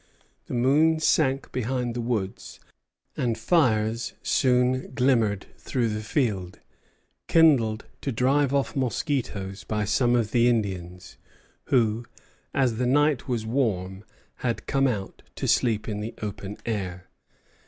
The moon sank behind the woods, and fires soon glimmered through the field, kindled to drive off mosquitoes by some of the Indians who, as the night was warm, had come out to sleep in the open air.